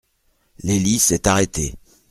L'hélice est arrêtée.